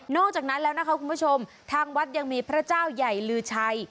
จากนั้นแล้วนะคะคุณผู้ชมทางวัดยังมีพระเจ้าใหญ่ลือชัย